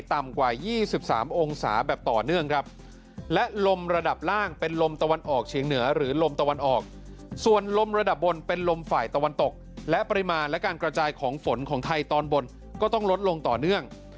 ต่ำกว่า๒๓องศาแบบต่อเนื่องครับและลมระดับล่างเป็นลมตะวันออกเฉียงเหนือหรือลมตะวันออกส่วนลมระดับบนเป็นลมฝ่ายตะวันตกและปริมาณและการกระจายของฝนของไทยตอนบนก็ต้องลดลงต่อเนื่อง